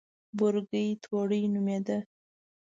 بورګۍ توړۍ نومېده.